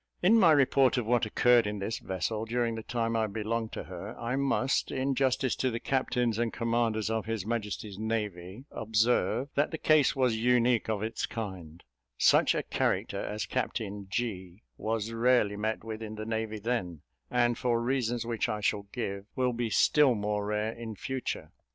In my report of what occurred in this vessel during the time I belonged to her, I must, in justice to the captains and commanders of his Majesty's navy observe, that the case was unique of its kind such a character as Captain G was rarely met with in the navy then, and, for reasons which I shall give, will be still more rare in future.